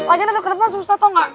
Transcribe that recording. lagian udah kedepan susah tau ga